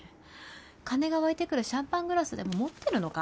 金が湧いてくるシャンパングラスでも持ってるのか？